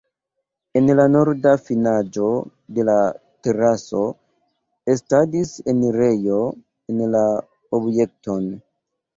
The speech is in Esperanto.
En la norda finaĵo de la teraso estadis enirejo en la objekton.